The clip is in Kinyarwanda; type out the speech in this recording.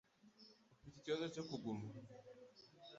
Ufite ikibazo cyo kuguma?